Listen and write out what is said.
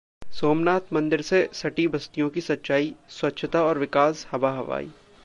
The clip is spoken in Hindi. सोमनाथ मंदिर से सटी बस्तियों की सच्चाई: स्वच्छता और विकास हवा हवाई